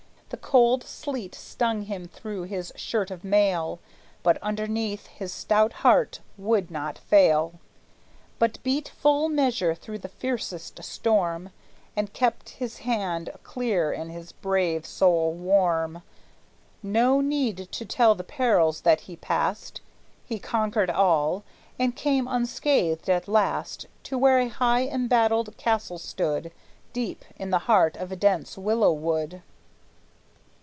The cold sleet stung him through his shirt of mail, But, underneath, his stout heart would not fail, But beat full measure through the fiercest storm, And kept his head clear and his brave soul warm. No need to tell the perils that he passed; He conquered all, and came unscathed at last To where a high embattled castle stood Deep in the heart of a dense willow wood.